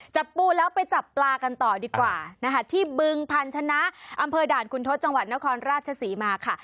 จับปูแล้วไปจับปลากันต่อดีกว่านะคะที่บึงพันธนะอำเภอด่านคุณทศจังหวัดนครราชศรีมาค่ะ